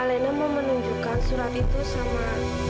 alena mau menunjukkan surat itu sama